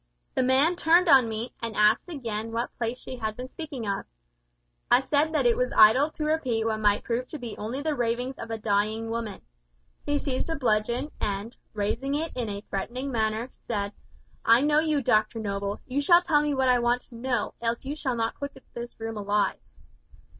"The man turned on me, and asked again what place she had been speaking of. I said that it was idle to repeat what might prove to be only the ravings of a dying woman. He seized a bludgeon, and, raising it in a threatening manner, said, `I know you, Dr Noble; you shall tell me what I want to know, else you shall not quit this room alive.'